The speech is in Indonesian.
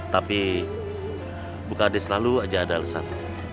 tapi bukades selalu aja ada alasan